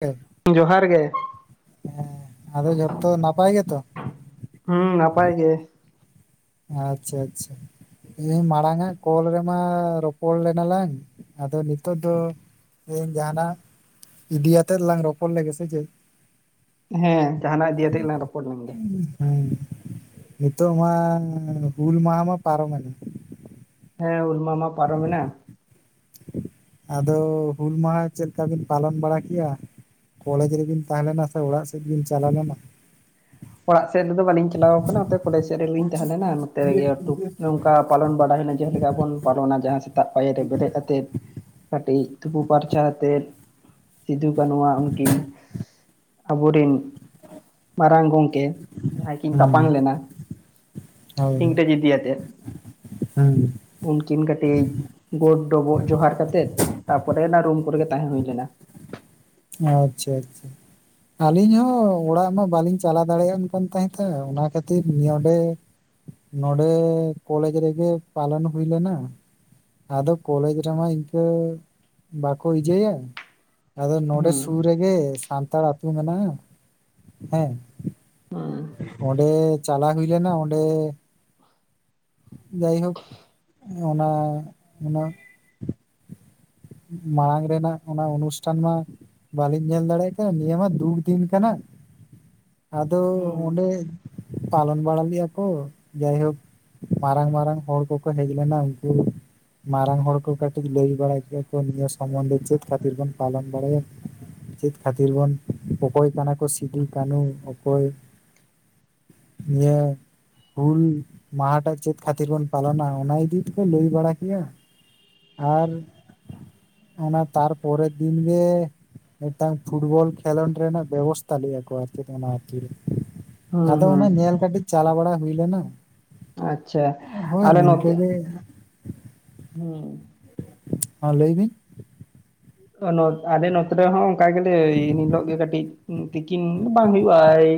ᱦᱮᱸ, ᱡᱚᱦᱟᱨ ᱜᱮ ᱟᱫᱚ ᱡᱚᱛᱚ ᱱᱟᱯᱟᱭ ᱜᱮᱛᱚ? ᱦᱩᱸ, ᱱᱟᱯᱟᱭ ᱜᱮ ᱾ ᱟᱪᱪᱷᱟ, ᱟᱪᱪᱷᱟ ᱾ ᱤ ᱢᱟᱲᱟᱝᱟ ᱠᱚᱞ ᱨᱮᱢᱟ ᱨᱚᱯᱚᱲ ᱞᱮᱱᱟ ᱞᱟᱝ, ᱟᱫᱚ ᱱᱤᱛᱚᱜ ᱫᱚ ᱤᱧ ᱡᱟᱦᱟᱸᱱᱟᱜ ᱤᱫᱤᱭᱟᱛᱮ ᱞᱟᱝ ᱨᱚᱯᱚᱲ ᱞᱮᱜᱮ ᱥᱮ ᱪᱮᱫ? ᱦᱮᱸ, ᱡᱟᱦᱟᱸᱱᱟᱜ ᱤᱫᱤᱭᱟᱛᱮᱜ ᱜᱮ ᱞᱟᱝ ᱨᱚᱯᱚᱲ ᱞᱮᱱ ᱜᱮ ᱾ ᱦᱮᱸ, ᱱᱤᱛᱚᱜ ᱢᱟ ᱦᱩᱞ ᱢᱟᱦᱟ ᱢᱟ ᱯᱟᱨᱚᱢ ᱮᱱᱟ ᱾ ᱦᱮᱸ, ᱦᱩᱞ ᱢᱟᱦᱟ ᱢᱟ ᱯᱟᱨᱚᱢ ᱮᱱᱟ ᱾ ᱟᱫᱚ ᱦᱩᱞ ᱢᱟᱦᱟ ᱪᱮᱫ ᱞᱮᱠᱟ ᱵᱤᱱ ᱯᱟᱞᱚᱱ ᱵᱟᱲᱟ ᱠᱮᱜᱼᱟ? ᱠᱚᱞᱮᱡᱽ ᱨᱮᱵᱤᱱ ᱛᱟᱦᱮᱸ ᱞᱮᱱᱟ ᱥᱮ ᱚᱲᱟᱜ ᱥᱮᱫ ᱵᱤᱱ ᱪᱟᱞᱟᱣ ᱞᱮᱱᱟ? ᱚᱲᱟᱜ ᱥᱮᱫ ᱨᱮᱫᱚ ᱵᱟᱹᱞᱤᱧ ᱪᱟᱞᱟᱣ ᱟᱠᱟᱱᱟ, ᱱᱚᱛᱮ ᱠᱚᱞᱮᱡᱽ ᱥᱮᱫ ᱨᱮᱜᱮ ᱞᱤᱧ ᱛᱟᱦᱮᱸ ᱞᱮᱱᱟ ᱾ ᱱᱚᱛᱮ ᱨᱮᱜᱮ ᱴᱩᱠ ᱱᱚᱝᱠᱟ ᱯᱟᱞᱚᱱ ᱵᱟᱲᱟ ᱦᱩᱭᱮᱱᱟ, ᱡᱟᱦᱟᱸ ᱞᱮᱠᱟ ᱵᱚᱱ ᱯᱟᱞᱚᱱᱟ ᱡᱟᱦᱟᱸ ᱥᱮᱛᱟᱜ ᱯᱟᱭᱟᱨ ᱨᱮ ᱵᱮᱨᱮᱫ ᱠᱟᱛᱮᱫ ᱾ ᱠᱟᱹᱴᱤᱡ ᱛᱩᱯᱩ ᱯᱷᱟᱨᱪᱟ ᱠᱟᱛᱮᱫ ᱥᱤᱫᱩ ᱠᱟᱹᱱᱩᱣᱟᱜ ᱩᱱᱠᱤᱱ ᱟᱵᱚᱨᱤᱱ ᱢᱟᱨᱟᱝ ᱜᱚᱝᱠᱮ ᱡᱟᱦᱟᱸᱭ ᱠᱤᱱ ᱦᱮᱸ ᱛᱟᱯᱟᱢ ᱞᱮᱱᱟ, ᱦᱳᱭ ᱤᱝᱨᱮᱡ ᱤᱫᱤᱭᱟᱛᱮ ᱦᱮᱸ ᱾ ᱩᱱᱠᱤᱱ ᱠᱟᱹᱴᱤᱡ ᱜᱚᱰ ᱰᱚᱵᱚᱜ ᱡᱚᱦᱟᱨ ᱠᱟᱛᱮ ᱛᱟᱯᱚᱨᱮ ᱚᱱᱟ ᱨᱩᱢ ᱠᱚᱨᱮ ᱜᱮ ᱛᱟᱦᱮᱸ ᱦᱩᱭ ᱞᱮᱱᱟ ᱾ ᱟᱪᱪᱷᱟ ᱟᱪᱪᱷᱟ ᱾ ᱟᱹᱞᱤᱧ ᱦᱚᱸ ᱚᱲᱟᱜ ᱢᱟ ᱵᱟᱹᱞᱤᱧ ᱪᱟᱞᱟᱣ ᱫᱟᱲᱮᱭᱟᱜ ᱠᱟᱱ ᱛᱟᱦᱮᱸᱫ ᱚᱱᱟ ᱠᱷᱟᱹᱛᱤᱨ ᱱᱚᱰᱮ ᱱᱚᱰᱮ ᱠᱚᱞᱮᱡᱽ ᱨᱮᱜᱮ ᱯᱟᱞᱚᱱ ᱦᱩᱭ ᱞᱮᱱᱟ ᱾ ᱟᱫᱚ ᱠᱚᱞᱮᱡᱽ ᱨᱮᱢᱟ ᱤᱱᱠᱟᱹ ᱵᱟᱠᱚ ᱤᱡᱟᱹᱭᱟ᱾ ᱟᱫᱚ ᱱᱚᱰᱮ ᱦᱩᱸ ᱥᱩᱨ ᱨᱮᱜᱮ ᱥᱟᱱᱛᱟᱲ ᱟᱛᱩ ᱢᱮᱱᱟᱜᱼᱟ, ᱦᱮᱸ ᱾ ᱚᱸᱰᱮ ᱪᱟᱞᱟᱣ ᱦᱩᱭ ᱞᱮᱱᱟ, ᱚᱸᱰᱮ ᱡᱟᱭᱦᱳᱠ ᱚᱱᱟ ᱚᱱᱟ ᱢᱟᱲᱟᱝ ᱨᱮᱱᱟᱜ ᱚᱱᱟ ᱚᱱᱩᱥᱴᱷᱟᱱ ᱢᱟ ᱵᱟᱹᱞᱤᱧ ᱧᱮᱞ ᱫᱟᱲᱮᱭᱟᱜ ᱛᱟᱦᱮᱸ ᱱᱤᱭᱟᱹ ᱢᱟ ᱫᱩᱠ ᱫᱤᱱ ᱠᱟᱱᱟ ᱾ ᱟᱫᱚ ᱦᱩᱸ ᱚᱸᱰᱮ ᱯᱟᱞᱚᱱ ᱵᱟᱲᱟ ᱞᱮᱜᱼᱟ ᱠᱚ, ᱡᱟᱭᱦᱳᱠ ᱢᱟᱨᱟᱝ ᱢᱟᱨᱟᱝ ᱦᱚᱲ ᱠᱚᱠᱚ ᱦᱮᱡ ᱞᱮᱱᱟ ᱾ ᱩᱱᱠᱩ ᱢᱟᱨᱟᱝ ᱦᱚᱲ ᱠᱚ ᱠᱟᱹᱴᱤᱡ ᱞᱟᱹᱭ ᱵᱟᱲᱟᱭ ᱠᱮ ᱚ ᱱᱤᱭᱟᱹ ᱥᱚᱢᱚᱱᱫᱷᱮ ᱪᱮᱫ ᱠᱷᱟᱹᱛᱤᱨ ᱵᱚᱱ ᱯᱟᱞᱚᱱ ᱵᱟᱲᱟᱭᱟ ᱾ ᱪᱮᱫ ᱠᱷᱟᱹᱛᱤᱨ ᱵᱚᱱ, ᱚᱠᱚᱭ ᱠᱟᱱᱟ ᱠᱚ ᱥᱤᱫᱩ ᱠᱟᱹᱱᱦᱩ, ᱚᱠᱚᱭ ᱤᱭᱟᱹ ᱦᱩᱞ ᱢᱟᱦᱟᱴᱟᱜ ᱪᱮᱫ ᱠᱷᱟᱹᱛᱤᱨ ᱵᱚᱱ ᱯᱟᱞᱚᱱᱟ ᱚᱱᱟ ᱤᱫᱤ ᱛᱮᱠᱚ ᱞᱟᱹᱭ ᱵᱟᱲᱟ ᱠᱮᱜᱼᱟ ᱾ ᱟᱨ ᱚᱱᱟ ᱛᱟᱨᱯᱚᱨᱮ ᱫᱤᱱ ᱜᱮ, ᱢᱤᱫᱴᱟᱝ ᱯᱷᱩᱴᱵᱚᱞ ᱠᱷᱮᱞᱳᱸᱰ ᱨᱮᱱᱟᱜ ᱵᱮᱵᱚᱥᱛᱷᱟ ᱞᱮᱭᱟ ᱠᱚ ᱟᱨᱪᱮᱫ ᱚᱱᱟ ᱟᱛᱩ ᱨᱮ ᱾ ᱦᱩᱸ ᱟᱫᱚ ᱦᱩᱸ ᱚᱱᱟ ᱧᱮᱞ ᱠᱟᱹᱴᱤᱡ ᱪᱟᱞᱟᱣ ᱵᱟᱲᱟ ᱦᱩᱭ ᱞᱮᱱᱟ ᱟᱪᱪᱷᱟ ᱾ ᱦᱳᱭ, ᱟᱞᱮ ᱱᱚᱛᱮ ᱱᱤᱝᱠᱟ ᱜᱮ ᱾ ᱦᱩᱸ ᱦᱚᱸ ᱞᱟᱹᱭ ᱵᱤᱱ᱾ ᱟᱞᱮ ᱱᱚᱛᱮ ᱨᱮᱦᱚᱸ ᱚᱱᱠᱟ ᱜᱮᱞᱮ ᱮᱱᱦᱤᱞᱳᱜ ᱜᱮ ᱠᱟᱹᱴᱤᱡ, ᱛᱤᱠᱤᱱ ᱵᱟᱝ ᱦᱩᱭᱩᱜᱼᱟ ᱮᱤ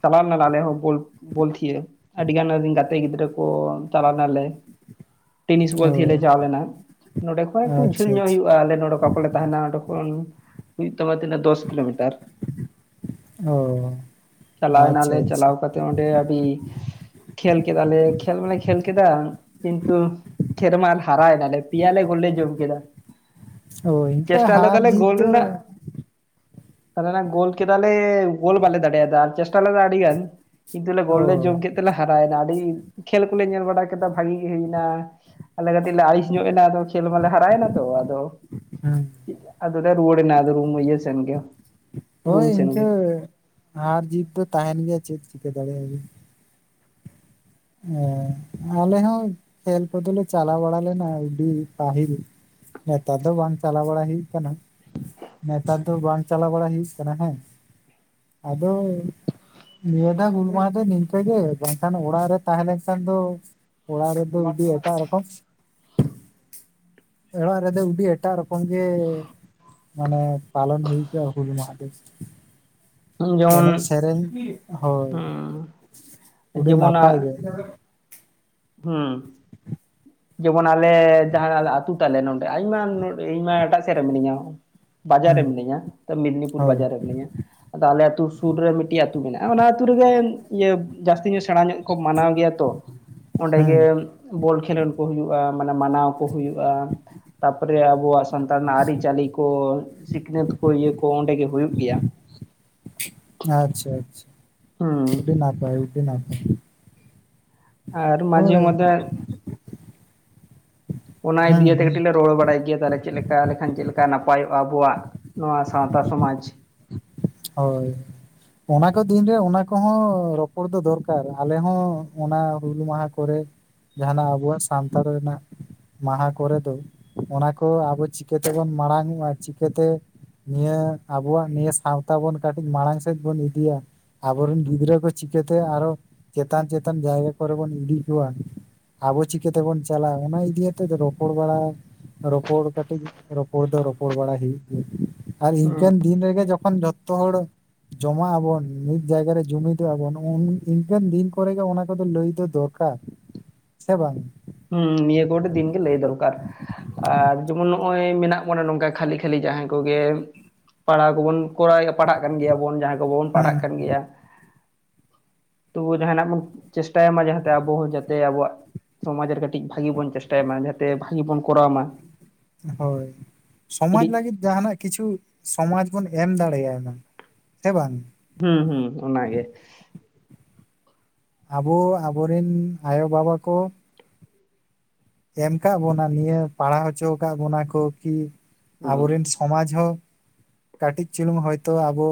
ᱪᱟᱞᱟᱣ ᱞᱮᱱᱟ ᱟᱞᱮ ᱦᱚᱸ ᱵᱚᱞ ᱵᱚᱞᱛᱷᱤᱭᱟᱹ ᱟᱹᱰᱤ ᱜᱟᱱ ᱜᱟᱛᱮ ᱜᱤᱫᱽᱨᱟᱹ ᱠᱚ ᱪᱟᱞᱟᱣ ᱞᱮᱱᱟᱞᱮ᱾ ᱴᱮᱱᱤᱥ ᱚ ᱵᱚᱞ ᱛᱷᱤᱭᱟᱹ ᱞᱮ ᱪᱟᱣ ᱞᱮᱱᱟ ᱱᱚᱸᱰᱮ ᱠᱷᱚᱡ ᱮᱠᱴᱩ ᱡᱷᱟᱹᱞ ᱟᱪᱪᱷᱟ ᱧᱚᱜ ᱦᱩᱭᱩᱜᱼᱟ ᱟᱪᱪᱷᱟ ᱟᱞᱮ ᱱᱚᱰᱮ ᱠᱷᱚᱱ ᱛᱟᱸᱦᱮᱱᱟ ᱚᱸᱰᱮ ᱠᱷᱚᱱ ᱦᱩᱭᱩᱜ ᱛᱟᱢᱟ ᱛᱤᱱᱟᱹᱜ ᱫᱚᱥ ᱠᱤᱞᱳᱢᱤᱴᱟᱨ᱾ ᱚ ᱪᱟᱞᱟᱣ ᱟᱪᱪᱷᱟ ᱮᱱᱟᱞᱮ ᱟᱪᱪᱷᱟ ᱪᱟᱞᱟᱣ ᱠᱟᱛᱮ ᱚᱸᱰᱮ ᱟᱹᱰᱤ ᱠᱷᱮᱞ ᱠᱮᱫᱟᱞᱮ ᱠᱷᱮᱞ ᱢᱟᱞᱮ ᱠᱷᱮᱞ ᱠᱮᱫᱟ ᱠᱤᱱᱛᱩ, ᱠᱷᱮᱞ ᱨᱮᱢᱟᱞᱮ ᱦᱟᱨᱟᱭ ᱮᱱᱟᱞᱮ ᱯᱮᱭᱟ ᱞᱮ ᱜᱚᱞ ᱞᱮ ᱡᱚᱢ ᱠᱮᱫᱟ᱾ ᱚ ᱤᱱᱠᱟᱹ ᱪᱮᱥᱴᱟ ᱦᱟᱨ ᱞᱮᱫᱟᱞᱮ ᱡᱤᱛ ᱜᱳᱞ ᱫᱚ ᱨᱮᱱᱟᱜ, - - ᱜᱳᱞ ᱠᱮᱫᱟᱞᱮ ᱜᱳᱞ ᱵᱟᱞᱮ ᱫᱟᱲᱮᱭᱟᱫᱟ ᱟᱨ ᱪᱮᱥᱴᱟ ᱞᱮᱫᱟ ᱟᱹᱰᱤ ᱜᱟᱱ ᱠᱤᱱᱛᱩ ᱞᱮ ᱚ ᱜᱚᱞ ᱞᱮ ᱡᱚᱢ ᱠᱮᱫ ᱛᱮᱞᱮ ᱦᱟᱨᱟᱣ ᱮᱱᱟ ᱟᱹᱰᱤ ᱠᱷᱹᱞ ᱠᱚᱞᱮ ᱧᱮᱞ ᱵᱟᱲᱟ ᱠᱮᱫᱟ ᱵᱷᱟᱜᱤ ᱜᱮ ᱦᱩᱭᱮᱱᱟ᱾ ᱟᱞᱮ ᱠᱟᱹᱴᱤᱡ ᱞᱮ ᱟᱹᱲᱤᱥ ᱧᱚᱜ ᱮᱱᱟ ᱟᱫᱚ ᱠᱷᱮᱞ ᱢᱟᱞᱮ ᱦᱟᱨᱟᱣ ᱮᱱᱟ ᱛᱚ ᱟᱫᱚ, ᱦᱩᱸ ᱟᱫᱚ ᱞᱮ ᱨᱩᱣᱟᱲ ᱮᱱᱟ ᱨᱩᱢ ᱤᱭᱟᱹ ᱥᱮᱱ ᱜᱮ᱾ ᱦᱳᱭ ᱨᱩᱢ ᱥᱮᱱ ᱤᱱᱠᱟᱹ ᱜᱮ ᱦᱟᱨ ᱡᱤᱛ ᱫᱚ ᱛᱟᱸᱦᱮᱱ ᱜᱮᱭᱟ ᱪᱮᱫ ᱪᱤᱠᱟᱹ ᱫᱟᱲᱮᱭᱟᱜ ᱵᱤᱱ᱾ ᱦᱚᱸ ᱟᱞᱮ ᱦᱚᱸ ᱠᱷᱮᱞ ᱠᱚᱫᱚᱞᱮ ᱪᱟᱞᱟᱣ ᱵᱟᱲᱟ ᱞᱮᱱᱟ ᱟᱹᱰᱤ ᱯᱟᱹᱦᱤᱞ, ᱱᱮᱛᱟᱨ ᱫᱚ ᱵᱟᱝ ᱪᱟᱞᱟᱣ ᱵᱟᱲᱟ ᱦᱩᱭ ᱠᱟᱱᱟ᱾ ᱱᱮᱛᱟᱨ ᱫᱚ ᱵᱟᱝ ᱪᱟᱞᱟᱣ ᱵᱟᱲᱟ ᱦᱩᱭᱩᱜ ᱠᱟᱱᱟ ᱦᱮᱸ᱾ ᱟᱫᱚ ᱱᱤᱭᱟᱹ ᱫᱷᱟᱣ ᱜᱩᱞ ᱢᱟᱦ ᱫᱚ ᱱᱤᱝᱠᱟᱹ ᱜᱮ, ᱵᱟᱝᱠᱷᱟᱱ ᱚᱲᱟᱜ ᱨᱮ ᱛᱟᱦᱮᱸᱞᱮᱱ ᱠᱷᱟᱱ ᱫᱚ, ᱚᱲᱟᱜ ᱨᱮᱫᱚ ᱩᱰᱤ ᱮᱴᱟᱜ ᱨᱚᱠᱚᱢ᱾ ᱚᱲᱟᱜ ᱨᱮᱫᱚ ᱩᱵᱤ ᱮᱴᱟᱜ ᱨᱚᱠᱚᱢ ᱜᱮ ᱢᱟᱱᱮ ᱯᱟᱞᱚᱱ ᱦᱩᱭ ᱠᱚᱜ-ᱟ ᱾ ᱦᱩᱞ ᱢᱟᱦᱟ ᱫᱚ ᱡᱮᱢᱚᱱ ᱮᱱᱮᱡ ᱥᱮᱨᱮᱧ ᱦᱳᱭ ᱦᱩᱸ ᱚᱹᱰᱤ ᱡᱮᱢᱚᱱ ᱱᱟᱯᱟᱭ ᱜᱮ᱾ ᱦᱩᱸ ᱡᱮᱢᱚᱱ ᱟᱞᱮ ᱡᱟᱦᱟᱸ ᱟᱹᱛᱩ ᱛᱟᱞᱮ ᱱᱚᱰᱮ ᱟᱭᱢᱟ ᱱᱚᱲᱮ ᱤᱧᱢᱟ ᱮᱴᱟᱜ ᱥᱮᱫ ᱨᱮ ᱢᱤᱱᱟᱹᱧᱟ᱾ ᱵᱟᱡᱟᱨ ᱨᱮ ᱦᱩᱸ ᱢᱤᱱᱟᱹᱧᱟ᱾ ᱛᱚ ᱢᱮᱫᱽᱱᱤᱯᱩᱨ ᱦᱳᱭ ᱵᱟᱡᱟᱨ ᱨᱮ ᱢᱤᱱᱟᱹᱧᱟ᱾ ᱟᱫᱚ ᱟᱞᱮ ᱟᱹᱛᱩ ᱥᱩᱨ ᱨᱮ ᱢᱤᱫᱴᱤᱡ ᱟᱹᱛᱩ ᱢᱮᱱᱟᱜᱼᱟ᱾ ᱚᱱᱟ ᱟᱹᱛᱩ ᱨᱮᱫᱚ ᱤᱭᱟᱹ ᱡᱟᱹᱥᱛᱤ ᱧᱚᱜ ᱥᱮᱬᱟ ᱧᱚᱜ ᱜᱮᱠᱚ ᱢᱟᱱᱟᱣ ᱜᱮᱭᱟ ᱛᱚ᱾ ᱚᱸᱰᱮ ᱦᱩᱸ ᱜᱮ ᱵᱚᱞ ᱠᱷᱮᱞᱳᱰ ᱠᱚ ᱦᱩᱭᱩᱜᱼᱟ᱾ ᱢᱟᱱᱮ ᱢᱟᱱᱟᱣ ᱠᱚ ᱦᱩᱭᱩᱜᱼᱟ᱾ ᱛᱟᱯᱚᱨᱮ ᱟᱵᱚᱣᱟᱼᱜ ᱥᱟᱱᱛᱟᱲ ᱨᱮᱱᱟᱼᱜ ᱟᱹᱨᱤ ᱪᱟᱹᱞᱤ ᱠᱚ ᱥᱤᱠᱷᱱᱟᱹᱛ ᱠᱚ ᱤᱭᱟᱹ ᱠᱚ ᱚᱸᱰᱮ ᱜᱮ ᱦᱩᱭᱩᱜ ᱜᱮᱭᱟ᱾ ᱟᱪᱪᱷᱟ - ᱟᱪᱪᱷᱟ ᱦᱩᱸ ᱩᱰᱮ ᱱᱟᱯᱟᱭ, ᱩᱰᱮ ᱱᱟᱯᱟᱭ᱾ ᱟᱨ ᱢᱟᱡᱮ ᱦᱳᱭ ᱢᱫᱷᱮ ᱚᱱᱟ ᱦᱩᱸ ᱫᱤᱭᱟᱛᱮ ᱦᱩᱸ ᱠᱟᱹᱴᱤᱡ ᱞᱮ ᱛᱚᱵᱮ ᱵᱟᱲᱟᱭ ᱜᱮᱭᱟ ᱛᱟᱞᱦᱮ ᱪᱮᱫ ᱞᱮᱠᱟᱠᱷᱟᱱ ᱪᱮᱫ ᱞᱮᱠᱟ ᱱᱟᱯᱟᱭᱚᱜᱼᱟ᱾ ᱟᱵᱚᱣᱟᱼᱜ ᱱᱚᱣᱟ ᱥᱟᱶᱛᱟ ᱥᱚᱢᱟᱡᱽ᱾ ᱦᱳᱭ ᱚᱱᱟ ᱠᱚ ᱫᱤᱱᱨᱮ ᱚᱱᱟ ᱠᱚᱦᱚᱸ ᱨᱚᱯᱚᱲ ᱫᱚ ᱫᱚᱨᱠᱟᱨ, ᱟᱞᱮᱦᱚᱸ ᱚᱱᱟ ᱦᱩᱞ ᱢᱟᱦᱟ ᱠᱚᱨᱮ ᱡᱟᱦᱟᱱᱟᱼᱜ ᱟᱵᱚᱣᱟᱼᱜ ᱥᱟᱶᱟᱱᱛᱟᱲ ᱨᱮᱱᱟᱜ ᱢᱟᱦᱟ ᱠᱚᱨᱮ ᱫᱚ ᱚᱱᱟ ᱠᱚ ᱟᱵᱚ ᱪᱤᱠᱟᱹᱛᱮᱵᱚᱱ ᱢᱟᱲᱟᱝᱜᱼᱟ᱾ ᱪᱤᱠᱟᱹᱛᱮ ᱱᱤᱭᱟᱹ ᱟᱵᱚᱣᱟᱼᱜ ᱱᱤᱭᱟᱹ ᱥᱟᱶᱛᱟ ᱵᱚᱱ ᱠᱟᱹᱴᱤᱡ ᱢᱟᱲᱟᱝ ᱥᱮᱫ ᱵᱚᱱ ᱤᱫᱤᱭᱟ᱾ ᱟᱵᱚᱨᱤᱱ ᱜᱤᱫᱽᱨᱟᱹ ᱠᱚ ᱪᱤᱠᱟᱹᱛᱮ ᱟᱨᱚ ᱪᱮᱛᱟᱱ - ᱪᱮᱛᱟᱱ ᱡᱟᱭᱜᱟ ᱠᱚᱨᱮ ᱵᱚᱱ ᱤᱫᱤ ᱠᱚᱣᱟ᱾ ᱟᱵᱚ ᱪᱤᱠᱟᱹ ᱛᱮᱵᱚᱱ ᱪᱟᱞᱟᱜᱼᱟ᱾ ᱚᱱᱟ ᱤᱫᱤᱭᱟᱛᱮ ᱨᱚᱯᱚᱲ ᱵᱟᱲᱟ᱾ ᱨᱚᱯᱚᱲ ᱠᱟᱹᱴᱤᱡ ᱨᱚᱯᱚᱲ ᱫᱚ ᱨᱚᱯᱚᱲ ᱵᱟᱲᱟᱭ ᱦᱩᱭᱩᱜ ᱜᱮᱭᱟ᱾ ᱟᱨ ᱦᱩᱸ ᱤᱱᱠᱟᱹᱱ ᱫᱤᱱ ᱨᱮᱜᱮ ᱡᱚ ᱠᱷᱟᱱ ᱡᱚᱛᱚ ᱦᱚᱲ ᱡᱚᱢᱟᱜ ᱟᱵᱚᱱ ᱢᱤᱫ ᱡᱟᱭᱜᱟᱨᱮ ᱡᱩᱢᱤᱫᱚᱜ ᱟᱵᱚᱱ, ᱤᱱᱠᱟᱱ ᱫᱤᱱ ᱠᱚᱨᱮ ᱜᱮ ᱚᱱᱟ ᱠᱚᱫᱚ ᱞᱟᱹᱭ ᱫᱚ ᱫᱚᱨ ᱠᱟᱨ ᱥᱮ ᱵᱟᱝ? ᱦᱩᱸ ᱱᱤᱭᱟᱹ ᱫᱚ ᱠᱟᱹᱴᱤᱡ ᱫᱤᱱ ᱜᱮ ᱞᱟᱹᱭ ᱫᱚᱨᱠᱟᱨ᱾ ᱟᱨ ᱡᱮᱢᱚᱱ ᱱᱚᱜᱼᱚᱭ ᱢᱮᱱᱟᱜ ᱵᱚᱱᱟ ᱱᱚᱝᱠᱟ ᱠᱷᱟᱹᱞᱤ- ᱠᱷᱟᱹᱞᱤ ᱡᱟᱦᱟᱸᱭ ᱠᱚᱜᱮ᱾ ᱯᱟᱲᱦᱟᱣ ᱠᱚᱵᱚᱱ ᱠᱚᱨᱟᱣ ᱯᱟᱲᱦᱟᱜ ᱠᱟᱱ ᱜᱮᱭᱟᱵᱚᱱ ᱡᱟᱦᱟᱸᱭ ᱠᱚ ᱵᱟᱵᱚᱱ ᱦᱮᱸ ᱯᱟᱲᱦᱟᱜ ᱠᱟᱱ ᱜᱮᱭᱟ᱾ ᱛᱚᱵᱩ ᱡᱟᱦᱟᱱᱟᱼᱜ ᱵᱚᱱ ᱪᱮᱥᱴᱟᱭᱢᱟ, ᱟᱵᱚ ᱦᱚᱸ ᱡᱟᱛᱮ ᱟᱵᱚᱣᱟᱼᱜ ᱾ ᱥᱚᱢᱟᱡᱽ ᱨᱮ ᱠᱟᱹᱴᱤᱡ ᱵᱷᱟᱜᱤ ᱵᱚᱱ ᱪᱮᱥᱴᱟᱭ ᱢᱟ᱾ ᱡᱟᱛᱮ ᱵᱷᱟᱜᱤ ᱵᱚᱱ ᱠᱚᱨᱟᱣ ᱢᱟ᱿ ᱦᱳᱭ ᱥᱚᱢᱟᱡᱽ ᱠᱟᱹᱴᱤᱡ ᱞᱟᱹᱜᱤᱫ ᱡᱟᱦᱟᱱᱟᱼᱜ ᱠᱤᱪᱷᱩ ᱥᱚᱢᱟᱡᱽ ᱵᱚᱱ ᱮᱢ ᱫᱟᱲᱮᱭᱟᱭ ᱢᱟ ᱥᱮ ᱵᱟᱝ᱾ ᱦᱩᱸ- ᱦᱩᱸ ᱚᱱᱟᱜᱮ᱾ ᱟᱵᱚ ᱟᱵᱚᱨᱤᱱ ᱟᱭᱳ ᱵᱟᱵᱟ ᱠᱚ᱾ ᱮᱢ ᱠᱟᱫ ᱵᱚᱱᱟ ᱱᱤᱭᱟᱹ ᱯᱟᱲᱦᱟᱣ ᱦᱚᱪᱚ ᱟᱠᱟᱫ ᱵᱚᱱᱟ ᱠᱚ, ᱠᱤ ᱦᱩᱸ ᱟᱵᱚᱨᱮᱱ ᱥᱚᱢᱟᱡᱽ ᱦᱚᱸ ᱠᱟᱹᱴᱤᱡ ᱪᱩᱞᱩᱝ ᱦᱚᱭᱛᱳ ᱟᱵᱚ᱾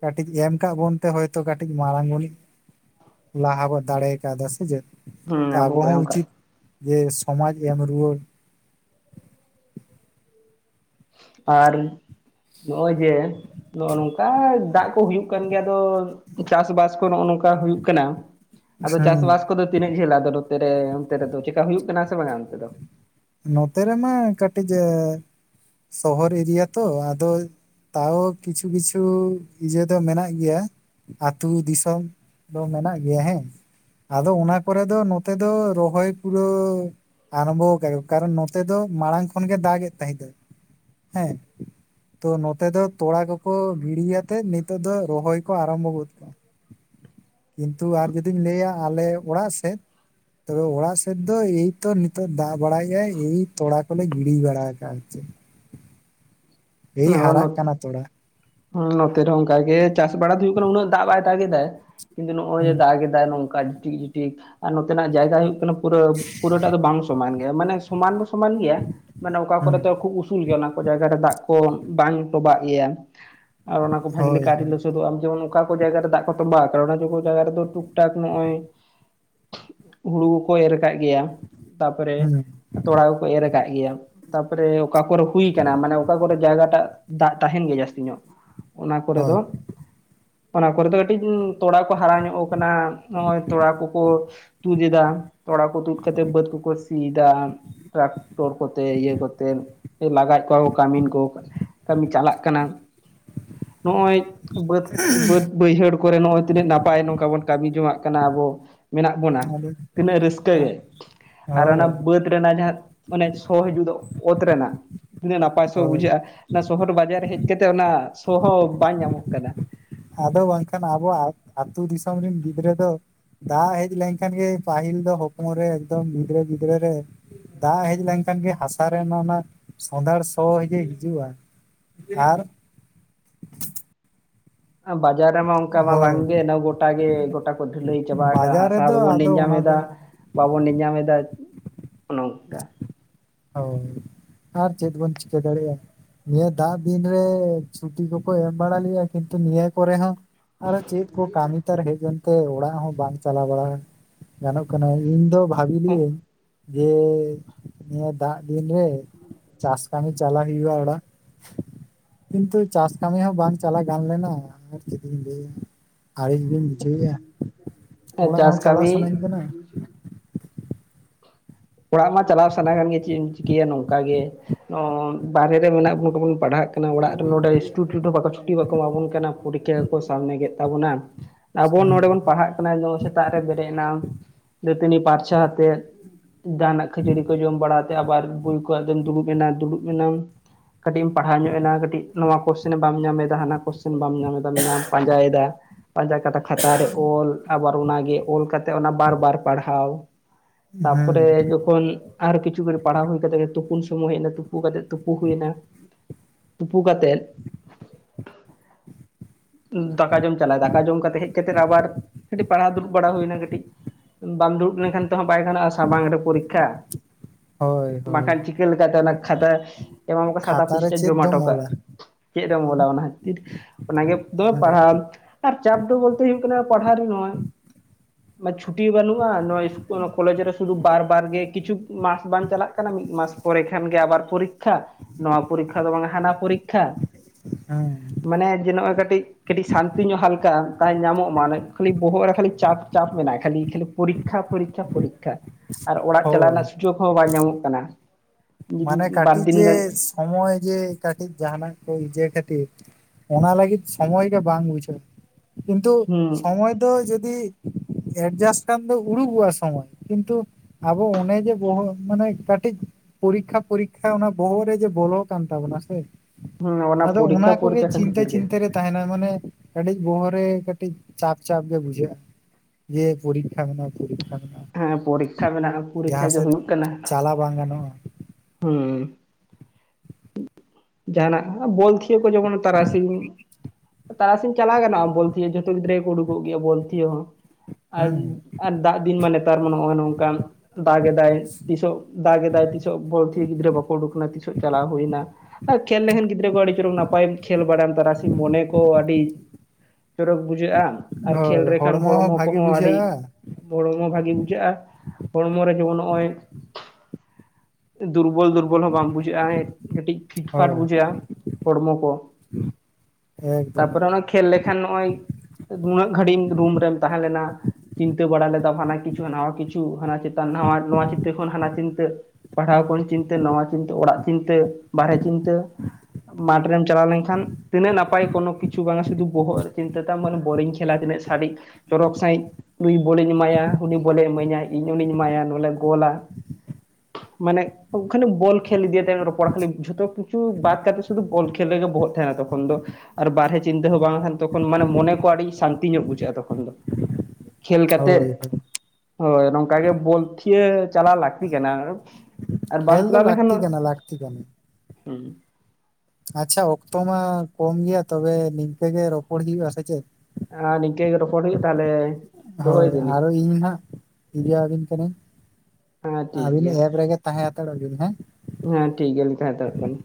ᱠᱟᱹᱴᱤᱡ ᱮᱢ ᱠᱟᱜ ᱵᱚᱱ ᱛᱮ ᱦᱭᱛᱳ ᱠᱟᱹᱴᱤᱡ ᱢᱟᱲᱟᱝ ᱵᱚᱱ ᱞᱟᱦᱟ ᱵᱚ ᱫᱟᱲᱮ ᱠᱟᱣᱫᱟ ᱥᱮ ᱪᱮᱫ᱾ ᱦᱮᱸ ᱛᱚ ᱟᱵᱩ ᱟᱵᱚ ᱠᱚ ᱦᱚᱸ ᱮᱢ ᱠᱟ ᱩᱪᱤᱛ ᱡᱮ ᱥᱚᱢᱟᱡ ᱮᱢ ᱨᱩᱣᱟᱹᱲ ᱟᱨ ᱱᱚᱜᱼᱚᱭ ᱡᱮ ᱱᱚᱫᱚ ᱱᱚᱝᱠᱟ ᱫᱟᱜ ᱠᱚ ᱦᱩᱭᱩᱜ ᱠᱟᱱ ᱜᱮᱭᱟ ᱟᱫᱚ᱾ ᱪᱟᱥᱵᱟᱥ ᱠᱚ ᱱᱚᱜᱼᱚ ᱱᱚᱝᱠᱟ ᱦᱩᱭᱩᱜ ᱠᱟᱱᱟ᱾ ᱟᱫᱚ ᱪᱟᱥᱵᱟᱥ ᱦᱮᱸ ᱠᱚᱫᱚ ᱛᱤᱱᱟᱹᱜ ᱡᱷᱟᱹᱞᱟ ᱟᱫᱚ ᱱᱳᱛᱮ ᱨᱮ ᱚᱱᱛᱮ ᱫᱚ ᱪᱮᱠᱟ ᱦᱩᱭᱩᱜ ᱠᱟᱱᱟ ᱥᱮ ᱵᱟᱝᱟ ᱚᱱ? ᱫᱚ᱿ ᱱᱚᱛᱮ ᱨᱮᱢᱟ ᱠᱟᱹᱴᱤᱡ ᱮᱸᱻ ᱥᱚᱦᱚᱨ ᱮᱨᱤᱭᱟ ᱛᱚ ᱟᱫᱚ᱾ ᱛᱟᱣ ᱠᱤᱪᱷᱩ - ᱠᱤᱪᱷᱩ ᱤᱭᱟᱹ ᱫᱚ ᱢᱮᱱᱟᱜ ᱜᱮᱭᱟ᱾ ᱟᱹᱛᱩ ᱫᱤᱥᱚᱢ ᱫᱚ ᱢᱮᱱᱟᱜ ᱜᱮᱭᱟ ᱦᱮᱸ᱿ ᱟᱫᱚ ᱚᱱᱟ ᱠᱚᱨᱮ ᱫᱚ ᱱᱚᱛᱮ ᱫᱚ ᱨᱚᱦᱚᱭ ᱯᱩᱨᱟᱹᱣ ᱟᱨᱟᱢᱵᱷᱚ ᱟᱠᱟᱼᱼ ᱠᱟᱨᱚᱱ ᱱᱚᱛᱮ ᱫᱚ ᱢᱟᱲᱟᱝ ᱠᱷᱚᱱᱜᱮ ᱫᱟᱜ ᱮᱫ ᱛᱟᱦᱮᱸᱫ ᱫᱚ ᱦᱮᱸᱼᱼ ᱛᱚ ᱱᱚᱛᱮ ᱫᱚ ᱛᱚᱲᱟ ᱠᱚᱠᱚ ᱜᱤᱲᱤᱭᱟᱛᱮᱜ ᱱᱤᱛᱚᱜ ᱫᱚ ᱨᱚᱦᱚᱭ ᱠᱚ ᱟᱨᱟᱢᱵᱷ ᱜᱚᱫ ᱠᱟᱜᱼᱟ᱾ ᱠᱤᱱᱛᱩ ᱟᱨ ᱡᱩᱫᱤᱧ ᱞᱟᱹᱭᱟ ᱟᱞᱮ ᱚᱲᱟᱜ ᱥᱮᱫ ᱛᱚ ᱚᱲᱟᱜ ᱥᱮᱫ ᱫᱚ ᱮᱭᱛᱚ ᱱᱤᱛᱚᱜ ᱫᱟᱜ ᱵᱟᱲᱟᱭᱼᱼ ᱭᱮᱭ [unintelligible] ᱛᱚᱲᱟ ᱠᱚᱞᱮ ᱜᱤᱲᱤ ᱵᱟᱲᱟ ᱟᱠᱟᱫ ᱜᱮᱭᱟ᱾ ᱮᱭ ᱦᱟᱨᱟᱜ ᱠᱟᱱᱟ ᱛᱷᱚᱲᱟ᱾ ᱱᱚᱛᱮ ᱨᱮᱦᱚᱸ ᱚᱱᱠᱟ ᱜᱮ ᱪᱟᱥ ᱵᱟᱵᱲᱟ ᱫᱚ ᱦᱩᱭᱩᱜ ᱠᱟᱱᱟ ᱩᱱᱟᱹᱜ ᱫᱟᱜ ᱵᱟᱭ ᱫᱟᱜ ᱮᱫᱟᱭ᱾ ᱠᱤᱱᱛᱩ ᱱᱚᱜᱼᱚᱭ ᱦᱩᱸ ᱡᱮ ᱫᱟᱜ ᱮᱫᱟᱭ ᱱᱚᱝᱠᱟ ᱡᱤᱴᱤᱠ ᱡᱩᱴᱤᱠ ᱟᱨ ᱱᱚᱛᱮᱱᱟᱜ ᱡᱟᱭᱜᱟ ᱦᱩᱭᱩᱜ ᱠᱟᱱᱟᱼᱼ ᱯᱩᱨᱟᱹ ᱯᱩᱨᱟᱹᱴᱟ ᱫᱚ ᱵᱟᱝ ᱥᱚᱢᱟᱱ ᱜᱮᱭᱟ ᱢᱟᱱᱮ ᱥᱚᱢᱟᱱ ᱫᱚ ᱥᱚᱢᱟᱱ ᱜᱮᱭᱟ ᱢᱟᱱᱮ ᱚᱠᱟ ᱠᱚᱨᱮ ᱦᱩᱸ ᱛᱚ ᱠᱷᱩᱵᱼᱼ ᱩᱥᱩᱞ ᱜᱮᱭᱟ ᱚᱱᱟ ᱠᱚ ᱡᱟᱭᱜᱟ ᱨᱮ ᱫᱟᱜ ᱠᱚ ᱵᱟᱝ ᱴᱚᱵᱟᱜ ᱜᱮᱭᱟ, ᱟᱨ ᱚᱱᱟ ᱠᱚ ᱦᱳᱭ ᱵᱷᱟᱜᱤᱞᱮᱠᱟ ᱟᱰᱤ ᱞᱚᱥᱚᱫᱚᱜᱼᱟ ᱡᱮᱢᱚᱱ ᱚᱠᱟ ᱠᱚ ᱡᱟᱭᱜᱟ ᱨᱮ ᱫᱟᱜ ᱠᱚ ᱛᱚᱸᱵᱟᱜ ᱟᱠᱟᱱᱟ ᱚᱱᱟ ᱠᱚ ᱡᱟᱭᱜᱟ ᱨᱮᱫᱚ ᱴᱩᱠ ᱴᱟᱠ ᱱᱚᱜᱼᱚᱭᱼᱼ ᱦᱩᱲᱩ ᱠᱚᱠᱚ ᱮᱨ ᱟᱠᱟᱜ ᱜᱮᱭᱟ᱾ ᱛᱟᱯᱚᱨᱮ ᱦᱳᱭ ᱦᱩᱸ ᱛᱚᱲᱟ ᱠᱚᱠᱚ ᱮᱨ ᱟᱠᱟᱜ ᱜᱮᱭᱟ ᱛᱟᱯᱚᱨᱮ ᱚᱠᱟ ᱠᱚᱨᱮ ᱦᱩᱭ ᱟᱠᱟᱱᱟ ᱢᱟᱱᱮ ᱚᱠᱟ ᱠᱚᱨᱮᱼᱼ ᱡᱟᱭᱜᱟᱴᱟᱜ ᱫᱟᱜ ᱛᱟᱦᱮᱱ ᱜᱮᱭᱟ ᱡᱟᱹᱥᱛᱤ ᱧᱚᱜ ᱚᱱᱟ ᱠᱚᱨᱮ ᱦᱳᱭ ᱫᱚ ᱚᱱᱟ ᱠᱚᱨᱮ ᱫᱚ ᱠᱟᱹᱴᱤᱡ ᱛᱚᱲᱟ ᱠᱚ ᱦᱟᱨᱟ ᱧᱚᱜ ᱟᱠᱟᱱᱟ ᱱᱚᱜᱼᱚᱭ ᱛᱚᱲᱟ ᱠᱚᱠᱚᱼᱼ ᱛᱩᱫ ᱮᱫᱟ ᱛᱚᱲᱟ ᱠᱚ ᱛᱩᱫ ᱠᱟᱛᱮᱫ ᱵᱟᱹᱫᱽ ᱠᱚᱠᱚ ᱥᱤᱭᱮᱫᱟ᱾ ᱴᱨᱟᱠᱴᱚᱨ ᱠᱚᱛᱮ ᱤᱭᱟᱹ ᱠᱚᱛᱮ ᱞᱟᱜᱟᱭᱮᱫ ᱠᱚᱣᱟ ᱠᱚ ᱠᱟᱹᱢᱤᱱ ᱠᱚ᱾ ᱠᱟᱹᱢᱤ ᱪᱟᱞᱟᱜ ᱠᱟᱱᱟ ᱱᱚᱜᱼᱚᱭ ᱵᱟᱹᱫᱽ ᱵᱟᱹᱫᱽ ᱵᱟᱹᱭᱦᱟᱹᱲ ᱠᱚᱨᱮ ᱱᱚᱜᱼᱚᱭ ᱛᱤᱱᱟᱹᱜ ᱱᱟᱯᱟᱭ ᱱᱚᱝᱠᱟ ᱵᱚᱱ ᱠᱟᱹᱢᱤ ᱡᱚᱝᱟᱜ ᱠᱟᱱᱟ ᱟᱵᱚᱼᱼ ᱢᱮᱱᱟᱜ ᱵᱚᱱᱟ ᱟᱫᱚ ᱛᱤᱱᱟᱹᱜ ᱨᱟᱹᱥᱠᱟᱹ ᱜᱮ ᱟᱨ ᱚᱱᱟ ᱦᱳᱭ ᱵᱟᱹᱫᱽᱼᱼ ᱨᱮᱱᱟᱜ ᱡᱟᱦᱟᱸ ᱚᱱᱮ ᱥᱚ ᱦᱤᱡᱩᱫᱚᱜ ᱚᱛ ᱨᱮᱱᱟᱜ ᱛᱤᱱᱟᱹᱜ ᱱᱟᱯᱟᱭ ᱥᱚ ᱦᱳᱭ ᱵᱩᱡᱷᱟᱹᱜᱼᱟ᱾ ᱚᱱᱟ ᱥᱚᱦᱚᱨ ᱵᱟᱡᱟᱨ ᱦᱮᱡ ᱠᱟᱛᱮ ᱚᱱᱟ ᱥᱚ ᱦᱚᱸ ᱵᱟᱝ ᱧᱟᱢᱚᱜ ᱠᱟᱱᱟ᱾ ᱟᱫᱚ ᱵᱟᱝᱠᱷᱟᱱ ᱟᱵᱚᱣᱟᱜ ᱟᱹᱛᱩ ᱫᱤᱥᱚᱢ ᱨᱤᱱ ᱜᱤᱫᱽᱨᱟᱹ ᱫᱚᱼᱼ ᱫᱟᱜ ᱦᱮᱡ ᱞᱮᱱᱠᱷᱟᱱ ᱜᱮ ᱯᱟᱹᱦᱤᱞ ᱫᱚ ᱦᱚᱯᱚᱱ ᱨᱮ ᱮᱠᱫᱚᱢ ᱜᱤᱫᱽᱨᱟᱹ ᱜᱤᱫᱽᱨᱟᱹ ᱨᱮᱼᱼ ᱫᱟᱜ ᱦᱮᱡ ᱞᱮᱱᱠᱷᱟᱱ ᱜᱮ ᱦᱟᱥᱟ ᱨᱮᱱ ᱦᱚᱸ ᱚᱱᱟ ᱥᱚᱸᱫᱷᱟᱲ ᱥᱚ ᱜᱮ ᱦᱤᱡᱩᱜᱼᱟ᱾ ᱟᱨ ᱵᱟᱡᱟᱨ ᱨᱮᱢᱟ ᱚᱱᱠᱟ ᱢᱟ ᱦᱳᱭ ᱵᱟᱝᱜᱮ ᱱᱟ. ᱣ ᱜᱚᱴᱟ ᱜᱮ ᱜᱚᱴᱟ ᱠᱚ ᱰᱷᱟ. ᱞᱟᱹᱭ ᱪᱟᱵᱟ ᱟᱠᱟᱫᱟ ᱦᱟᱸᱜ ᱵᱟᱡᱟᱨ ᱦᱟᱥᱟ ᱨᱮᱫᱚ ᱚᱸᱰᱮᱧ ᱧᱟᱢᱮᱫᱼᱼ [unintelligible] ᱵᱟᱵᱚᱱ ᱧᱟᱢᱮᱫᱟ ᱚᱱᱮ ᱚᱱᱠᱟᱼᱼ ᱚ ᱟᱨ ᱪᱮᱫ ᱵᱚᱱ ᱪᱤᱠᱟᱹ ᱫᱟᱲᱮᱭᱟᱜ? ᱱᱤᱭᱟᱹ ᱫᱟᱜ ᱫᱤᱱ ᱨᱮ ᱪᱷᱩᱴᱤ ᱠᱚᱠᱚ ᱮᱢ ᱵᱟᱲᱟ ᱞᱮᱭᱟ ᱠᱤᱱᱛᱩ ᱱᱤᱭᱟᱹ ᱠᱚᱨᱮ ᱦᱚᱸᱼᱼ ᱟᱨ ᱪᱮᱫ ᱠᱚ ᱠᱟᱹᱢᱤ ᱛᱟᱨ ᱦᱮᱡ ᱮᱱ? ᱛᱮ ᱚᱲᱟᱜ ᱦᱚᱸ ᱵᱟᱝ ᱪᱟᱞᱟᱣ ᱵᱟᱲᱟ ᱜᱟᱱᱚᱜ ᱠᱟᱱᱟ ᱤᱧ ᱫᱚ ᱵᱷᱟᱵᱤ ᱞᱤᱭᱟᱹᱧᱼᱼ ᱡᱮ ᱱᱤᱭᱟᱹ ᱫᱟᱜ ᱫᱤᱱ ᱨᱮ ᱪᱟᱥ ᱠᱟᱹᱢᱤ ᱪᱟᱞᱟᱣ ᱦᱩᱭᱩᱜᱼᱟ ᱚᱲᱟᱜ᱾ ᱠᱤᱱᱛᱩ ᱪᱟᱥ ᱠᱟᱹᱢᱤ ᱦᱚᱸ ᱵᱟᱝ ᱪᱟᱞᱟ ᱜᱟᱱ ᱞᱮᱱᱟ ᱟᱨ ᱪᱮᱫᱤᱧ ᱞᱟᱹᱭᱟ? ᱟᱲᱤᱥ ᱜᱤᱧ ᱵᱩᱡᱷᱟᱹᱣᱮᱫᱼᱟ ᱚᱲᱟᱜ ᱦᱚᱸ ᱪᱟᱥ ᱪᱟᱞᱟᱜ ᱠᱟᱹᱢᱤ ᱥᱟᱱᱟᱧ ᱠᱟᱱᱟ᱾ ᱚᱲᱟᱜ ᱢᱟ ᱪᱟᱞᱟᱣ ᱥᱟᱱᱟ ᱠᱟᱱ ᱜᱮᱭᱟ ᱪᱮᱫ ᱮᱢ ᱪᱤᱠᱟᱹᱭᱟ ᱱᱚᱝᱠᱟ ᱜᱮ᱾ ᱚ ᱵᱟᱦᱮᱨ ᱨᱮ ᱢᱮᱱᱟᱜ ᱵᱚᱱ ᱠᱚᱵᱚᱱ ᱯᱟᱲᱦᱟᱜ ᱠᱟᱱᱟ ᱚᱲᱟᱜ ᱨᱮ ᱱᱚᱸᱰᱮ ᱤᱱᱥᱴᱩᱴᱩᱴ ᱦᱚᱸ ᱵᱟᱠᱚ ᱪᱷᱩᱴᱤ ᱵᱟᱠᱚ ᱮᱢᱟ ᱵᱚᱱ ᱠᱟᱱᱟ᱾ ᱯᱚᱨᱤᱠᱷᱟ ᱦᱚᱸᱠᱚ ᱥᱟᱢᱱᱮ ᱠᱮᱫ ᱛᱟᱵᱚᱱᱟ᱾ ᱟᱵᱚ ᱱᱚᱸᱰᱮ ᱵᱚᱱ ᱯᱟᱲᱦᱟᱜ ᱠᱟᱱᱟ ᱡᱚ ᱥᱮᱛᱟᱜ ᱨᱮ ᱵᱮᱨᱮᱫ ᱮᱱᱟᱢ ᱫᱟᱹᱛᱟᱹᱱᱤ ᱯᱟᱨᱪᱟ ᱠᱟᱛᱮᱫᱼᱼ ᱡᱟᱦᱟᱱᱟᱜ ᱠᱷᱟᱹᱡᱟᱹᱲᱤ ᱠᱚ ᱡᱚᱢ ᱵᱟᱲᱟ ᱛᱮ ᱟᱵᱚᱣᱟᱜ ᱟᱨ ᱵᱳᱭ ᱠᱚ ᱟᱛᱮ ᱮᱢ ᱫᱩᱲᱩᱵ ᱮᱱᱟ ᱫᱩᱲᱩᱵ ᱮᱱᱟᱢ ᱠᱟᱹᱴᱤᱡ ᱮᱢ ᱯᱟᱲᱦᱟᱣ ᱧᱚᱜ ᱮᱱᱟ ᱠᱟᱴᱤ ᱱᱚᱶᱟ ᱠᱚᱥᱪᱮᱱ ᱵᱟᱢ ᱧᱟᱢ ᱮᱫᱟ ᱦᱟᱱᱟ ᱠᱚᱥᱪᱮᱱ ᱵᱟᱢ ᱧᱟᱢ ᱮᱫᱟ᱾ [unintelligible] ᱧᱟᱢ ᱯᱟᱸᱡᱟᱭᱮᱫᱟ ᱯᱟᱸᱡᱟ ᱠᱟᱛᱮ ᱠᱷᱟᱛᱟ ᱨᱮ ᱚᱞᱼᱼ ᱟᱵᱟᱨ ᱚᱱᱟᱜᱮ ᱚᱞ ᱠᱟᱛᱮᱜ ᱚᱱᱟ ᱵᱟᱨ ᱵᱟᱨ ᱯᱟᱲᱦᱟᱣ ᱦᱮᱸ ᱛᱟᱯᱚᱨᱮᱼᱼ ᱵᱚᱱ ᱟᱨ ᱠᱤᱪᱷᱩ ᱜᱷᱟ. ᱲᱤᱡ ᱯᱟᱲᱦᱟᱣ ᱦᱩᱭ ᱠᱟᱛᱮ ᱛᱩᱯᱩᱱ ᱥᱚᱢᱚᱭ ᱦᱮᱡ ᱮᱱᱟ ᱛᱩᱯᱩ ᱠᱟᱛᱮᱜ ᱛᱩᱯᱩ ᱦᱩᱭ ᱮᱱᱟ᱾ ᱛᱩᱯᱩ ᱠᱟᱛᱮᱫᱼᱼ ᱫᱟᱠᱟ ᱡᱚᱢ ᱪᱟᱞᱟᱜᱼᱟ ᱫᱟᱠᱟ ᱡᱚᱢ ᱠᱟᱛᱮ ᱦᱮᱡ ᱠᱟᱛᱮᱫ ᱟᱵᱟᱨ ᱠᱟᱹᱴᱤᱡ ᱯᱟᱲᱦᱟᱣ ᱫᱩᱲᱩᱵ ᱵᱟᱲᱟ ᱦᱩᱭᱮᱱᱟ ᱠᱟᱹᱴᱤᱡᱼᱼ ᱵᱟᱢ ᱫᱩᱲᱩᱵ ᱞᱮᱱᱠᱷᱟᱱ ᱛᱮᱦᱚᱸ ᱵᱟᱭ ᱜᱟᱱᱚᱜ-ᱟ ᱥᱟᱢᱟᱝ ᱨᱮ ᱯᱚᱨᱤᱠᱷᱟ᱾ ᱦᱳᱭ ᱦᱳᱭ ᱵᱟᱠᱷᱟᱱ ᱪᱤᱠᱟᱹ ᱞᱮᱠᱟᱛᱮ ᱚᱱᱟ ᱠᱷᱟᱛᱟ ᱮᱢᱟᱢᱟ ᱠᱚ ᱥᱟᱫᱟ ᱠᱷᱟᱛᱟ ᱨᱮ ᱯᱤᱥᱴᱟ ᱪᱮᱫ ᱡᱚᱢᱟ ᱫᱚᱢ ᱦᱚᱴᱚ ᱠᱟᱜ ᱚᱞᱟ ᱪᱮᱫ ᱨᱮᱢ ᱦᱮᱸ ᱚᱞᱟ ᱚᱱᱟᱜᱮ ᱫᱚᱢ ᱚᱱᱟ ᱜᱮ ᱯᱟᱲᱦᱟᱣ ᱟᱫ ᱪᱟᱯ ᱫᱚ ᱵᱚᱞᱛᱮ ᱦᱩᱭᱩᱜ ᱠᱟᱱᱟ ᱯᱟᱲᱦᱟᱣ ᱨᱮ ᱱᱚᱜ-ᱚᱭ ᱪᱷᱩᱴᱤ ᱵᱟᱹᱱᱩᱜ-ᱟ ᱱᱚᱣᱟ ᱤᱥᱠᱩᱞ ᱠᱚᱞᱮᱡᱽ ᱨᱮ ᱥᱩᱫᱷᱩ ᱵᱟᱨ ᱵᱟᱨ ᱜᱮ ᱠᱤᱪᱷᱩ ᱢᱟᱥ ᱵᱟᱝ ᱪᱟᱞᱟᱜ ᱠᱟᱱᱟ ᱢᱤᱫ ᱢᱟᱥ ᱯᱚᱨᱮ ᱠᱷᱟᱱ ᱜᱮ ᱟᱵᱟᱨ ᱯᱚᱨᱤᱠᱷᱟ ᱱᱚᱣᱟ ᱯᱚᱨᱤᱠᱷᱟ ᱫᱚ ᱵᱟᱝ ᱦᱟᱱᱟ ᱯᱚᱨᱤᱠᱷᱟ᱾ ᱦᱮ, ᱢᱟᱱᱮ ᱡᱮ ᱱᱚᱜ-ᱚᱭ ᱠᱟᱹᱴᱤᱡ ᱠᱟᱹᱴᱤᱡ ᱥᱟᱱᱛᱤ ᱧᱚᱜ ᱦᱟᱞᱠᱟᱜ-ᱟ ᱛᱟᱭ ᱧᱟᱢᱚᱜ ᱢᱟ ᱠᱷᱟᱹᱞᱤ ᱵᱚᱦᱚᱜ ᱨᱮ ᱠᱷᱟᱹᱞᱤ ᱪᱟᱯ ᱪᱟᱯ ᱢᱮᱱᱟᱜ-ᱟ ᱠᱷᱟᱹᱞᱤ ᱠᱷᱟᱹᱞᱤ ᱯᱚᱨᱤᱠ ᱯᱚᱨᱤᱠᱠᱷᱟ ᱯᱚᱨᱤᱠᱠᱷᱟ ᱯᱚᱨᱤᱠᱠᱷᱟ ᱟᱨ ᱚᱲᱟᱜ ᱪᱟᱞᱟᱜ ᱨᱮᱱᱟᱜ ᱦᱳᱭ ᱥᱩᱡᱳᱜᱽ ᱦᱚᱸ ᱵᱟᱭ ᱧᱟᱢᱚᱜ ᱠᱟᱱᱟ᱾ ᱡᱩᱫᱤ ᱢᱟᱱᱮ ᱵᱟᱨ ᱠᱟᱹᱴᱤᱡ ᱫᱤᱱ ᱡᱮ ᱜᱟᱱ᱾ ᱥᱚᱢᱚᱭ ᱡᱮ ᱠᱟᱹᱴᱤᱡ ᱡᱟᱦᱟᱱᱟᱜ ᱤᱡᱮ ᱠᱷᱟᱹᱛᱤᱨ ᱚᱱᱟ ᱞᱟᱹᱜᱤᱫ ᱥᱚᱢᱚᱭ ᱜᱮ ᱵᱟᱝ ᱵᱩᱡᱷᱟᱹᱜ ᱠᱤᱱᱛᱩ ᱦᱩᱸ ᱥᱚᱢᱚᱭ ᱫᱚ ᱡᱩᱫᱤ ᱮᱰᱡᱟᱥᱴ ᱠᱟᱱ ᱫᱚ ᱩᱰᱩᱠᱚᱜ-ᱟ ᱥᱚᱢᱚᱭ᱾ ᱠᱤᱱᱛᱩ ᱟᱵᱚ ᱚᱱᱮ ᱡᱮ ᱵᱚᱦᱚᱜ ᱢᱟᱱᱮ ᱠᱟᱹᱴᱤᱡ ᱯᱚᱨᱤᱠᱠᱷᱟ ᱯᱚᱨᱤᱠᱠᱷᱟ ᱚᱱᱟ ᱵᱚᱦᱚᱜ ᱨᱮ ᱡᱮ ᱵᱚᱞᱚ ᱠᱟᱱ ᱛᱟᱵᱚᱱᱟ ᱥᱮ ᱦᱩᱸ ᱟᱫᱚ ᱚᱱᱟ ᱯᱚᱨᱤᱠᱠᱷᱟ ᱠᱚᱜᱮ ᱯᱚᱨᱤᱠᱠᱷᱟ ᱠᱷᱟᱱ ᱪᱤᱱᱛᱟᱹ ᱠᱷᱟᱹᱛᱤᱨ ᱜᱮ ᱪᱤᱱᱛᱟᱹ ᱨᱮ ᱛᱟᱦᱮᱱᱟ ᱢᱟᱱᱮ ᱠᱟᱹᱴᱤᱡ ᱵᱚᱦᱚ ᱨᱮ ᱠᱟᱹᱴᱤᱡ ᱪᱟᱯ ᱪᱟᱯ ᱜᱮ ᱵᱩᱡᱷᱟᱹᱜ-ᱟ᱾ ᱡᱮ ᱯᱚᱨᱤᱠᱷᱟ ᱢᱮᱱᱟᱜ-ᱟ᱾ ᱦᱮᱸ ᱯᱚᱨᱤᱠᱷᱟ ᱢᱮᱱᱟᱜ-ᱟ ᱯᱚᱨᱤᱠᱷᱟ ᱡᱟᱦᱟᱸ ᱜᱮ ᱥᱮᱫ ᱦᱩᱭᱩᱜ ᱠᱟᱱᱟ᱾ ᱪᱟᱞᱟᱣ ᱵᱟᱝ ᱜᱟᱱᱚᱜ-ᱟ᱾ ᱦᱩᱸ, ᱡᱟᱦᱟᱱᱟᱜ ᱵᱚᱞ ᱛᱤᱭᱟ ᱠᱚ ᱡᱮᱢᱚᱱ ᱛᱟᱨᱟᱥᱤᱧ ᱛᱟᱨᱟᱥᱤᱧ ᱪᱟᱞᱟᱣ ᱜᱟᱱᱚᱜ-ᱟ ᱵᱚᱞ ᱛᱷᱤᱭᱟᱹ ᱡᱚᱛᱚ ᱜᱤᱫᱽᱨᱟᱹ ᱜᱮᱠᱚ ᱩᱰᱩᱠᱚᱜ ᱜᱮᱭᱟ ᱵᱚᱞ ᱛᱷᱤᱭᱟᱹ ᱦᱚᱸ᱾ ᱟᱨ ᱦᱮᱸ ᱟᱨ ᱫᱟᱜ ᱫᱤᱱ ᱢᱟ ᱱᱮᱛᱟᱨ ᱢᱟ ᱱᱚᱜ-ᱚᱭ ᱱᱚᱝᱠᱟ ᱫᱟᱜ ᱮᱫᱟᱭ ᱛᱤᱥᱚ ᱫᱟᱜ ᱮᱫᱟᱭ ᱛᱤᱥᱚ ᱵᱷᱚᱞ ᱛᱷᱤᱭᱟ ᱜᱤᱫᱽᱨᱟᱹ ᱵᱟᱠᱚ ᱩᱰᱩᱠ ᱮᱱᱟ ᱛᱤᱥᱚᱜ ᱪᱟᱞᱟᱣ ᱦᱩᱭᱱᱟ᱾ [unintelligible] ᱠᱷᱮᱞ ᱞᱮᱠᱷᱟᱱ ᱜᱤᱫᱽᱨᱟᱹ ᱠᱚ ᱟᱹᱰᱤ ᱪᱚᱨᱚᱠ ᱱᱟᱯᱟᱭᱢ ᱠᱷᱮᱞ ᱵᱟᱲᱟᱭᱟᱢ ᱛᱟᱨᱟᱥᱤᱧ ᱢᱚᱱᱮ ᱠᱚ ᱟᱹᱰᱤ ᱪᱚᱨᱚᱠ ᱵᱩᱡᱷᱟᱹᱜ-ᱟ᱾ ᱟᱨ ᱠᱷᱮᱞ ᱦᱳᱭ ᱞᱮᱠᱷᱟᱱ ᱦᱚᱸ ᱦᱚᱲᱢᱚ ᱵᱷᱟᱜᱤ ᱠᱚᱦᱚᱸ ᱟᱹᱰᱤ ᱵᱩᱡᱷᱟᱹᱜᱼᱟ ᱦᱚᱲᱢᱚ ᱵᱷᱟᱜᱮ ᱵᱩᱡᱷᱟᱹᱜ-ᱟ᱾ ᱦᱚᱲᱢᱚ ᱨᱮ ᱡᱮᱢᱚᱱ ᱱᱚᱜ-ᱚᱭ ᱫᱩᱨᱵᱚᱞ ᱫᱩᱨᱵᱚᱞ ᱦᱚᱸ ᱵᱟᱢ ᱵᱩᱡᱷᱟᱹᱜ-ᱟ, ᱠᱟᱹᱴᱤᱡ ᱯᱷᱤᱴ ᱯᱷᱟᱴ ᱦᱳᱭ ᱵᱩᱡᱟᱜ-ᱟ ᱦᱚᱲᱢᱚ ᱠᱚ᱾ ᱮᱠᱫᱚᱢ ᱛᱟᱨᱯᱚᱨ ᱚᱱᱟ ᱮᱠᱫᱚᱢ ᱠᱷᱮᱞ ᱞᱮᱠᱷᱟᱱ ᱱᱚᱜ-ᱚᱭ ᱱᱩᱱᱟᱹᱜ ᱜᱷᱟᱹᱲᱤᱡ ᱨᱩᱢ ᱨᱮᱢ ᱛᱟᱦᱮᱸ ᱞᱮᱱᱟ ᱪᱤᱱᱛᱟᱹ ᱵᱟᱲᱟ ᱞᱮᱫᱟᱢ ᱦᱟᱱᱟ ᱠᱤᱪᱷᱩ ᱱᱟᱭᱟᱠᱤᱪᱷᱩ ᱦᱟᱱᱟ ᱪᱮᱛᱟᱱ ᱱᱟᱳᱭᱟ ᱱᱚᱭᱟ ᱪᱤᱛᱟᱹ ᱠᱷᱚᱱ ᱦᱟᱱᱟ ᱪᱤᱱᱛᱟᱹ᱾ ᱯᱟᱲᱦᱟᱣ ᱠᱚ ᱪᱤᱱᱛᱟᱹ ᱱᱟᱣᱟ ᱪᱤᱱᱛᱟᱹ ᱚᱲᱟᱜ ᱪᱤᱱᱛᱟᱹ ᱵᱟᱨᱦᱮ ᱪᱤᱱᱛᱟᱹ ᱢᱟᱴᱷᱨᱮᱢ ᱪᱟᱞᱟᱣ ᱞᱮᱱᱠᱷᱟᱱ ᱛᱤᱱᱟᱹᱜ ᱱᱟᱯᱟᱭ ᱠᱳᱱᱳ ᱠᱤᱪᱷᱩ ᱵᱟᱝᱟ ᱥᱩᱫᱩ ᱵᱚᱦᱚᱜ ᱨᱮ ᱪᱤᱱᱛᱟᱹ ᱛᱟᱢ ᱵᱟᱱᱩᱜ ᱵᱚᱞᱮᱧ ᱠᱷᱮᱞᱟ ᱛᱤᱱᱟᱹᱜ ᱥᱟᱹᱰᱤᱠ ᱪᱚᱨᱚᱠ ᱥᱟᱹᱦᱤᱡ᱾ ᱩᱱᱤ ᱵᱚᱞᱮᱧ ᱮᱢᱟᱭᱟ ᱩᱱᱤ ᱵᱚᱞᱮ ᱤᱢᱟᱹᱧᱟ ᱤᱧ ᱩᱱᱤᱧ ᱮᱢᱟᱭᱟ ᱱᱚᱰᱮ ᱜᱳᱞᱟ᱾ ᱢᱟᱱᱮ ᱠ ᱠᱷᱟᱱᱮᱢ ᱵᱚᱞ ᱠᱷᱮᱞ ᱤᱫᱤᱭᱟ ᱛᱮᱭ ᱨᱚᱲᱟ ᱠᱷᱟᱞᱤ ᱡᱷᱚᱛᱚ ᱠᱤᱪᱩ ᱵᱟᱫ ᱠᱟᱛᱮ ᱥᱩᱫᱩ ᱵᱚᱞ ᱠᱷᱮᱞ ᱨᱮᱜᱮ ᱵᱚᱦᱚᱜ ᱛᱟᱦᱮᱱᱟ ᱛᱚᱠᱷᱚᱱ ᱫᱚ ᱟᱨ ᱵᱟᱦᱨᱮ ᱪᱤᱱᱛᱟᱹ ᱦᱚᱸ ᱵᱟᱝᱠᱷᱟᱱ ᱛᱚᱠᱷᱚᱱ ᱢᱟᱱᱮ ᱢᱚᱱᱮ ᱠᱚ ᱟᱹᱰᱤ ᱥᱟᱱᱛᱤ ᱧᱚᱜ ᱵᱩᱡᱷᱟᱹᱜ-ᱟ ᱛᱚᱠᱷᱚᱱ ᱫᱚ᱾ ᱠᱷᱮᱞ ᱠᱟᱛᱮᱜ ᱦᱳᱭ ᱦᱳᱭ ᱦᱳᱭ ᱱᱚᱝᱠᱟ ᱜᱮ ᱵᱚᱞᱛᱷᱤᱭᱟᱹ ᱪᱟᱞᱟᱣ ᱞᱟᱹᱠᱛᱤ ᱠᱟᱱᱟ᱾ ᱟᱨ ᱵᱟᱢ ᱠᱷᱮᱞ ᱫᱚ ᱪᱟᱞᱟᱣ ᱞᱮᱱᱠᱷᱟᱱ ᱞᱟᱹᱠᱛᱤ [unintelligible] ᱦᱩᱸ, ᱟᱪᱪᱷᱟ ᱚᱠᱛᱚ ᱢᱟ ᱠᱚᱢ ᱜᱮᱭᱟ ᱛᱚᱵᱮ ᱱᱤᱝᱠᱟᱹ ᱜᱮ ᱨᱚᱯᱚᱲ ᱦᱩᱭᱩᱜ-ᱟ᱾ ᱥᱮ ᱪᱮᱫ? ᱟᱹᱻ ᱱᱤᱝᱠᱟ ᱜᱮ ᱨᱚᱯᱚᱲ ᱦᱩᱭᱩᱜ-ᱟ ᱛᱟᱦᱚᱞᱮ᱾ ᱫᱚᱦᱚᱭ ᱦᱳᱭ ᱫᱟᱞᱤᱧ ᱟᱨᱚ ᱤᱧ ᱦᱟᱜ ᱤᱭᱟᱹ ᱟᱵᱤᱱ ᱠᱟᱹᱱᱟᱹᱧ ᱦᱮᱸ ᱴᱷᱤᱠ ᱟᱹᱵᱤᱱ ᱜᱮᱭᱟ ᱮᱯ ᱨᱮᱜᱮ ᱛᱟᱦᱮᱸ ᱦᱟᱛᱟᱲᱚᱜ ᱵᱤᱱ ᱦᱮᱸ᱾ ᱦᱮᱸ ᱴᱷᱤᱠ ᱜᱮᱭᱟᱞᱤᱧ ᱛᱟᱦᱮᱸ ᱦᱟᱛᱟᱲᱚᱜ ᱠᱟᱱᱟ᱾